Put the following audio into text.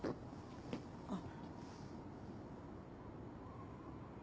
あっ。